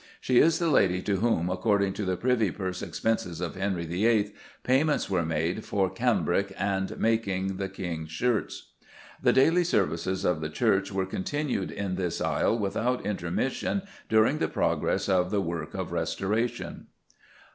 She is the lady to whom, according to the Privy Purse Expenses of Henry VIII., payments were made "for cambric and makyng y^{e} King's shirts." The daily services of the church were continued in this aisle without intermission during the progress of the work of restoration.